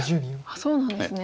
そうなんですね。